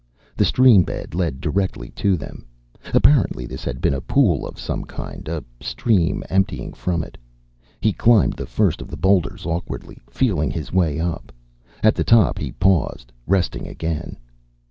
The stream bed led directly to them. Apparently this had been a pool of some kind, a stream emptying from it. He climbed the first of the boulders awkwardly, feeling his way up. At the top he paused, resting again.